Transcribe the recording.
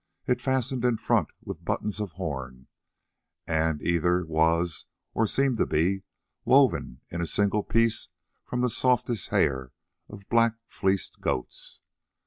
It fastened in front with buttons of horn, and either was, or seemed to be, woven in a single piece from the softest hair of black fleeced goats.